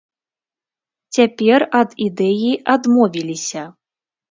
Цяпер ад ідэі адмовіліся.